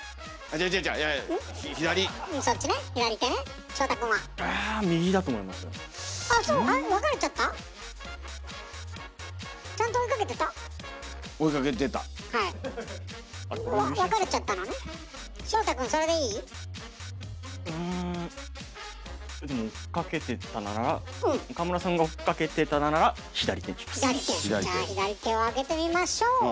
じゃあ左手を開けてみましょう。